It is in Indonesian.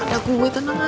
ada kubu tenang aja